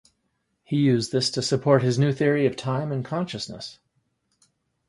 He used this to support his new theory of time and consciousness.